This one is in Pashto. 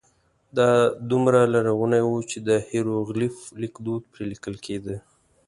دا دومره لرغونی و چې د هېروغلیف لیکدود پرې لیکل کېده.